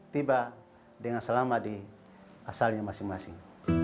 tiba dengan selama di asalnya masing masing